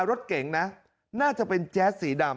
รถเก๋งนะน่าจะเป็นแจ๊สสีดำ